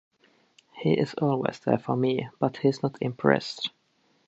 He is always there for me, but he's not impressed.